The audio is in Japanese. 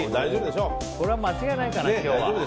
これは間違いないかな。